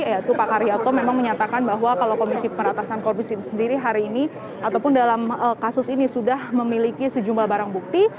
yaitu pak karyato memang menyatakan bahwa kalau komisi peratasan korupsi sendiri hari ini ataupun dalam kasus ini sudah memiliki sejumlah barang bukti